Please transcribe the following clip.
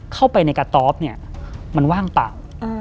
เข้าไปในกระต๊อบเนี่ยมันว่างเปล่า